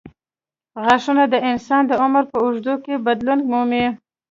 غاښونه د انسان د عمر په اوږدو کې بدلون مومي.